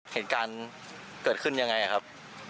เหตุการณ์เกิดขึ้นยังไงครับ